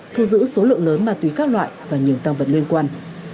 thu giữ số lượng lớn ma túy khác loại và những tăng vật liên quan